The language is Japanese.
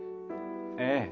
ええ。